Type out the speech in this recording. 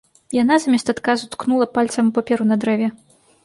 Яна, замест адказу, ткнула пальцам у паперу на дрэве.